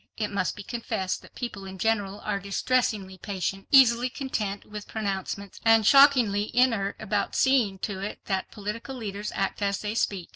It must be confessed that people in general are distressingly patient, easily content with pronouncements, and shockingly inert about seeing to it that political leaders act as they speak.